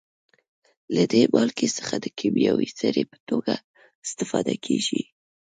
له دې مالګې څخه د کیمیاوي سرې په توګه استفاده کیږي.